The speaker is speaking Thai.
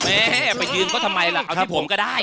แม่ไปยืนเขาทำไมล่ะเอาที่ผมก็ได้